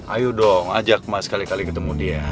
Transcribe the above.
ayo dong ajak mas sekali kali ketemu dia